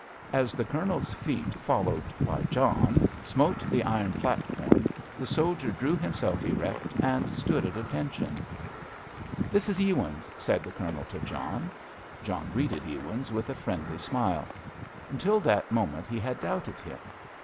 As the Colonel's feet, followed by John, smote the iron platform, the soldier drew himself erect and stood at attention. "This is Ewins," said the Colonel to John. John greeted Ewins with a friendly smile. Until that moment he had doubted him.